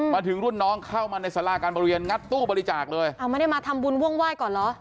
มาถึงรุ่นน้องเข้ามาในสาราการบริเวณงัดตู้บริจาคเลยเอาไม่ได้มาทำบุญวงไหว้ก่อนเหรอ